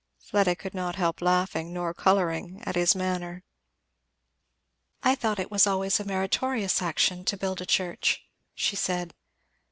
Fleda could not help laughing, nor colouring, at his manner. "I thought it was always considered a meritorious action to build a church," she said.